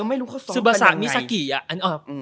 ไม่รู้ว่าสองกันยังไง